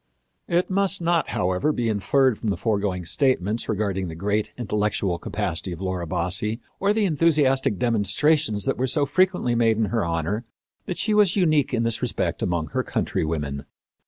It must not, however, be inferred from the foregoing statements regarding the great intellectual capacity of Laura Bassi or the enthusiastic demonstrations that were so frequently made in her honor that she was unique in this respect among her countrywomen.